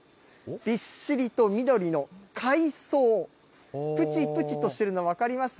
びっしりと緑の海草、ぷちぷちとしてるの、分かります？